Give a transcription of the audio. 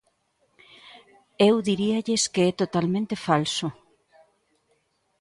Eu diríalles que é totalmente falso.